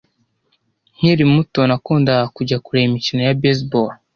Nkiri muto, nakundaga kujya kureba imikino ya baseball.